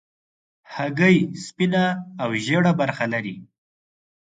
هګۍ سپینه او ژېړه برخه لري.